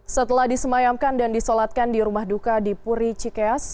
setelah disemayamkan dan disolatkan di rumah duka di puri cikeas